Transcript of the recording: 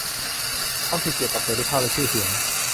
ความผิดเกี่ยวกับเสรีภาพและชื่อเสียง